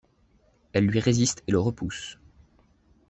Elle lui résiste et le repousse.